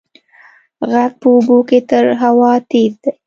غږ په اوبو کې تر هوا تېز دی.